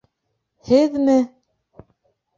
— Һеҙме?!